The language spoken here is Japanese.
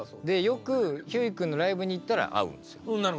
よくひゅーい君のライブに行ったら会うんですよ。